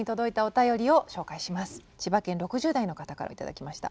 千葉県６０代の方から頂きました。